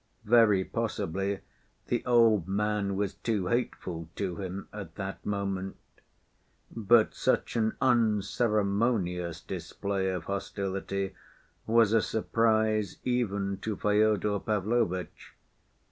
Very possibly the old man was too hateful to him at that moment; but such an unceremonious display of hostility was a surprise even to Fyodor Pavlovitch.